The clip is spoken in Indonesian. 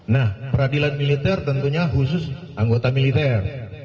nah peradilan militer tentunya khusus anggota militer